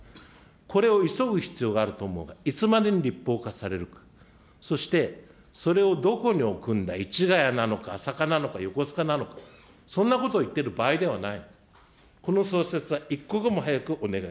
これを急ぐ必要があると思うが、いつまでに立法化されるか、そしてそれをどこに置くんだ、市ヶ谷なのか朝霞なのか、横須賀なのか、そんなことを言っている場合ではない。